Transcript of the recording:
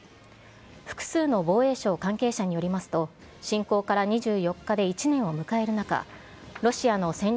複数の防衛省関係者によりますと、侵攻から２４日で１年を迎える中、ロシアの戦略